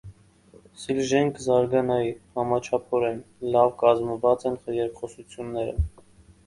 Սիւժէն կը զարգանայ համաչափօրէն, լաւ կազմուած են երկխոսութիւնները։